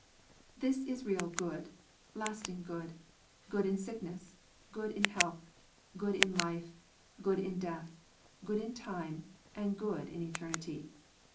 This is real " good," lasting good, good in sickness, good in health, good in life, good in death, good in time, and good in eternity.